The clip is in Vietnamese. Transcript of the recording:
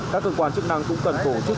các cơ quan chức năng cũng cần tổ chức